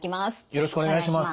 よろしくお願いします。